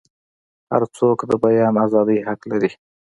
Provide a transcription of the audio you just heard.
هرڅوک د بیان ازادۍ حق لري.